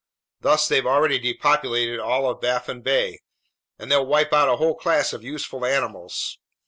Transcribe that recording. Thus they've already depopulated all of Baffin Bay, and they'll wipe out a whole class of useful animals.